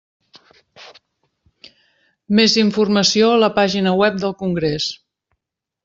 Més informació a la pàgina web del congrés.